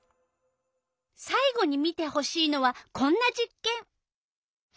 さい後に見てほしいのはこんな実けん。